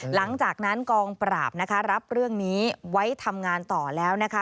หลังจากนั้นกองปราบนะคะรับเรื่องนี้ไว้ทำงานต่อแล้วนะคะ